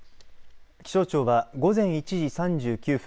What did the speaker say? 気象庁は午前１時３９分